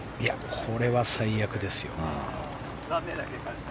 これは最悪ですよ。